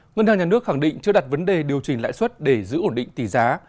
ngân hàng nhà nước khẳng định chưa đặt vấn đề điều chỉnh lãi suất để giữ ổn định tỷ giá